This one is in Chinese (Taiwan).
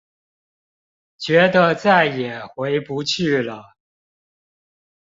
覺得再也回不去了